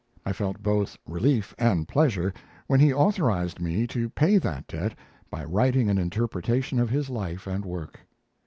I felt both relief and pleasure when he authorized me to pay that debt by writing an interpretation of his life and work.